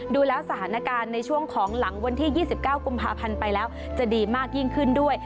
ดูแล้วสถานการณ์ในช่วงของหลังวันที่๒๙กุมภาพันธ์ไปแล้วจะดีมากยิ่งขึ้นด้วย